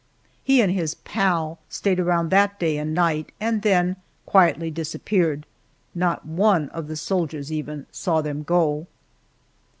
He and his "pal" stayed around that day and night, and then quietly disappeared. Not one of the soldiers, even, saw them go.